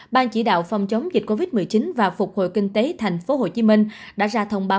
ban chỉ đạo phòng chống dịch covid một mươi chín và phục hồi kinh tế tp hcm đã ra thông báo